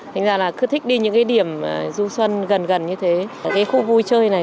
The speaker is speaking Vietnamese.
bọn cô có tuổi thì cũng thích đến những nơi này